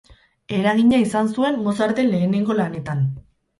Eragina izan zuen Mozarten lehenengo lanetan.